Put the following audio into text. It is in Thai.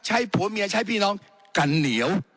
ผัวเมียใช้พี่น้องกันเหนียว